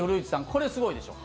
これ、すごいでしょ？